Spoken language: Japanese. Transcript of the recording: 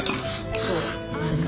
そう。